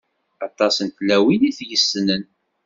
Aṭas n tlawin i t-yessnen.